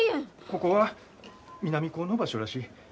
ここは南高の場所らしい。